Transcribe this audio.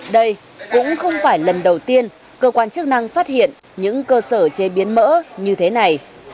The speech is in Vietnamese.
đây cũng không phải lần đầu tiên cơ quan chức năng phát hiện những cơ sở chế biến mỡ như thế này